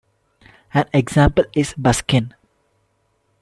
An example is buskin.